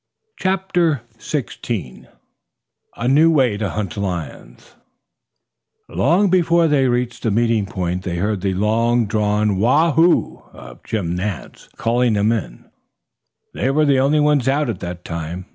CHAPTER XVI A NEW WAY TO HUNT LIONS Long before they reached the meeting point they heard the long drawn "Woohoo!" of Jim Nance calling them in. They were the only ones out at that time.